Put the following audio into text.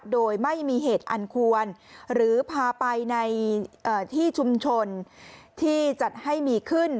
โดยไม่มีเหตุอันควรหรือพาไปในที่ชุมชนที่จัดให้มีขึ้น